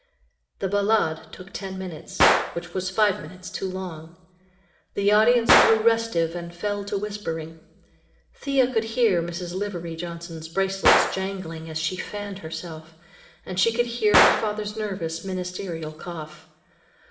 The "Ballade" took ten minutes, which was five minutes too long. The audience grew restive and fell to whispering. Thea could hear Mrs. Livery Johnson's bracelets jangling as she fanned herself, and she could hear her father's nervous, ministerial cough.